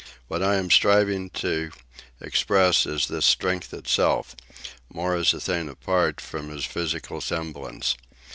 What I am striving to express is this strength itself, more as a thing apart from his physical semblance.